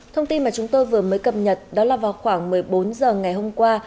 thông tin mà chúng tôi vừa mới cập nhật đó là vào khoảng một mươi bốn h ngày hôm qua